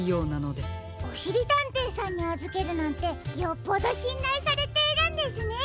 おしりたんていさんにあずけるなんてよっぽどしんらいされているんですね。